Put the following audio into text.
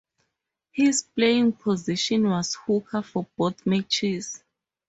His playing position was hooker for both matches.